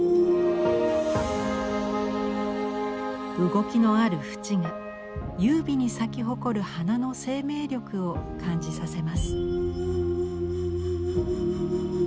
動きのある縁が優美に咲き誇る花の生命力を感じさせます。